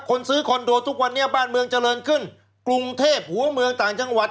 คนซื้อคอนโดทุกวันนี้บ้านเมืองเจริญขึ้นกรุงเทพหัวเมืองต่างจังหวัด